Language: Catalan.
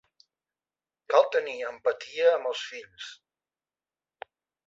Cal tenir empatia amb els fills.